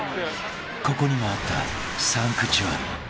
［ここにもあったサンクチュアリ］